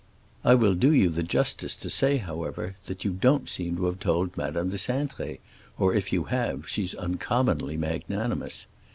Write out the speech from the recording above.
I will do you the justice to say, however, that you don't seem to have told Madame de Cintré; or if you have, she's uncommonly magnanimous.